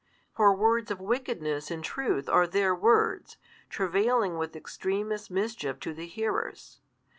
For words of wickedness in truth are their words, travailing with extremest mischief to the hearers.